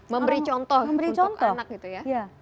memberi contoh untuk anak gitu ya